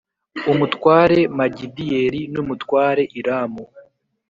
umutware Magidiyeli n umutware Iramu